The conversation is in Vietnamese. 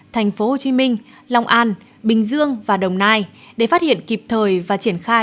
thành phố hồ chí minh long an bình dương và đồng nai để phát hiện kịp thời và triển khai